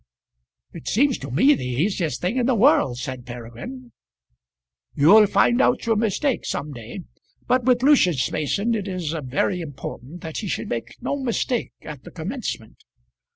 "It seems to me the easiest thing in the world," said Peregrine. "You'll find out your mistake some day; but with Lucius Mason it is very important that he should make no mistake at the commencement.